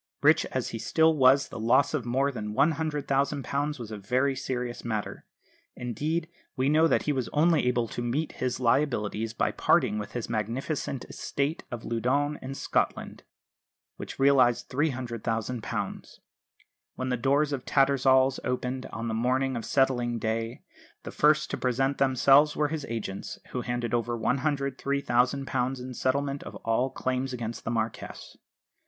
Rich as he still was, the loss of more than £100,000 was a very serious matter. Indeed we know that he was only able to meet his liabilities by parting with his magnificent estate of Loudoun in Scotland, which realised £300,000. When the doors of Tattersall's opened on the morning of settling day, the first to present themselves were his agents, who handed over £103,000 in settlement of all claims against the Marquess.